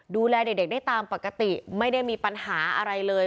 ดูแลเด็กได้ตามปกติไม่ได้มีปัญหาอะไรเลย